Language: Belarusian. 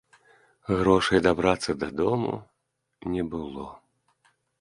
Грошай дабрацца дадому не было.